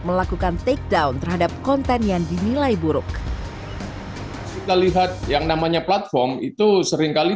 melakukan takedown terhadap konten yang dinilai buruk terlihat yang namanya platform itu seringkali